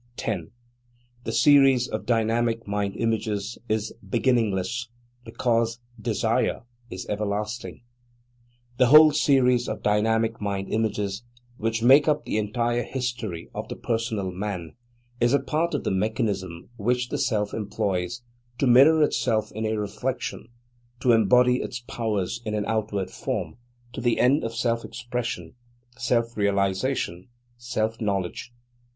10. The series of dynamic mind images is beginningless, because Desire is everlasting. The whole series of dynamic mind images, which make up the entire history of the personal man, is a part of the mechanism which the Self employs, to mirror itself in a reflection, to embody its powers in an outward form, to the end of self expression, selfrealization, self knowledge.